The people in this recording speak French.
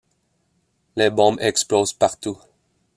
Les bombes explosent partout.